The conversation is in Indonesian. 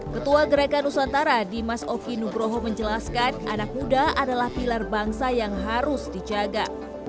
ketua gerakan nusantara dimas oki nugroho menjelaskan anak muda adalah pilar bangsa yang harus dijaga